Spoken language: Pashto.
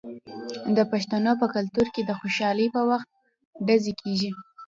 د پښتنو په کلتور کې د خوشحالۍ په وخت ډزې کیږي.